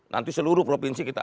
nanti seluruh provinsi kita